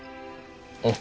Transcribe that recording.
うん。